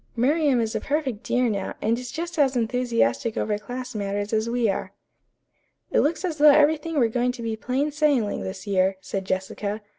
"Miriam is a perfect dear now, and is just as enthusiastic over class matters as we are." "It looks as though everything were going to be plain sailing this year," said Jessica.